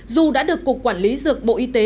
dù đã được cục quản lý dược bộ y tế